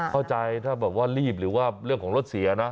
เข้าใจถ้าแบบว่ารีบหรือว่าเรื่องของรถเสียนะ